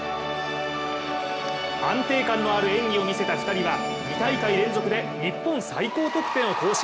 安定感のある演技を見せた２人は２大会連続で日本最高得点を更新。